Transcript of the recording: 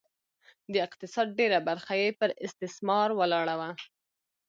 د اقتصاد ډېره برخه یې پر استثمار ولاړه وه